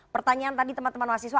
pertanyaan tadi teman teman mahasiswa